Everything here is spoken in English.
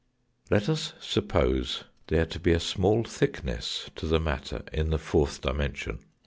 Let us suppose there to be a small thickness to the matter in the fourth dimension.